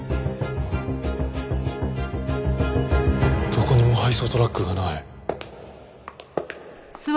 どこにも配送トラックがない。